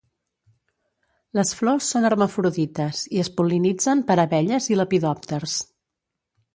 Les flors són hermafrodites i es pol·linitzen per abelles i lepidòpters.